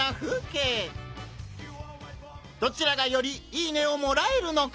どちらがより「いいね！」をもらえるのか！？